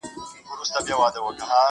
شمع چي لمبه نه سي رڼا نه وي.!